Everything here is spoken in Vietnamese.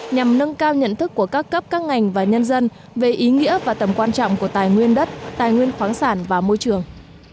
nhằm nâng cao nhận thức của các cấp các ngành và nhân dân về ý nghĩa và tầm quan trọng của tài nguyên đất tài nguyên khoáng sản và môi trường